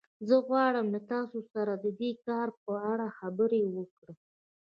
زه غواړم له تاسو سره د دې کار په اړه خبرې وکړم